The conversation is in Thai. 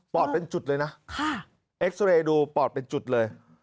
เป็นจุดเลยนะเอ็กซาเรย์ดูปอดเป็นจุดเลย